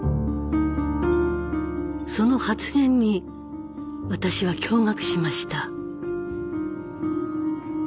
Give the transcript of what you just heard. その発言に私は驚愕しました。